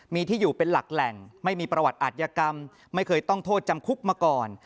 มีที่อยู่เป็นหลักแหล่งไม่มีประวัติอาทยากรรมไม่เคยต้องโทษจำคุกมาก่อน